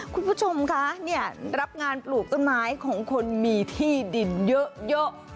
คุณผู้ชมคะเนี่ยรับงานปลูกต้นไม้ของคนมีที่ดินเยอะ